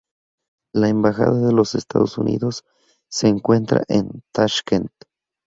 La Embajada de los Estados Unidos se encuentra en Tashkent.